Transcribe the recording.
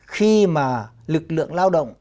khi mà lực lượng lao động